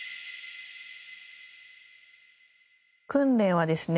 訓練はですね